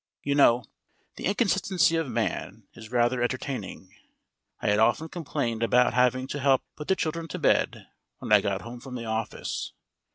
You know, the inconsistency of man is rather entertaining. I had often complained about having to help put the children to bed when I got home from the office.